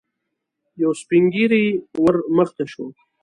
يو سپين ږيری ور مخته شو.